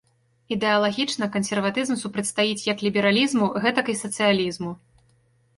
Ідэалагічна кансерватызм супрацьстаіць як лібералізму, гэтак і сацыялізму.